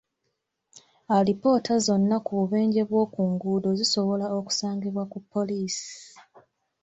Alipoota zonna ku bubenje bw'oku nguudo zisobola okusangibwa ku poliisi.